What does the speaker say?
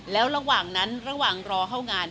แล้วระหว่างนั้นระหว่างรอเข้างาน